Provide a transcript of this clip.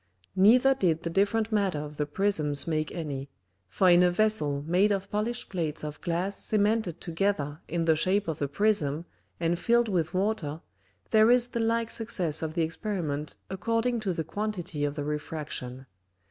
Neither did the different matter of the Prisms make any: for in a Vessel made of polished Plates of Glass cemented together in the shape of a Prism and filled with Water, there is the like Success of the Experiment according to the quantity of the Refraction.